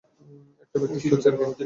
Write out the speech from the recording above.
একটু প্র্যাকটিস করছি আরকি।